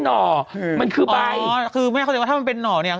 ห่อมันคือใบอ๋อคือแม่เข้าใจว่าถ้ามันเป็นหน่อเนี่ย